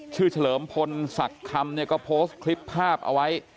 เฉลิมพลศักดิ์คำเนี่ยก็โพสต์คลิปภาพเอาไว้